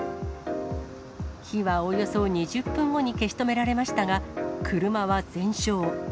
火はおよそ２０分後に消し止められましたが、車は全焼。